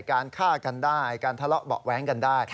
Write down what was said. การฆ่ากันได้การทะเลาะเบาะแว้งกันได้